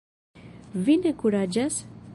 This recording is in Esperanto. Vi ne kuraĝas?